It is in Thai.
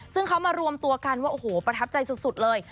ซึ่งเขามารวมตัวกันว่าโอ้โหประทับใจสุดเลย